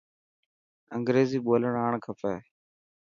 انگريزي ٻولي آڻ کپي.